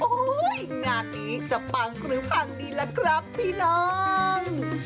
โอ้โหงานนี้จะปังหรือปังดีล่ะครับพี่น้อง